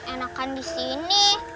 enakan di sini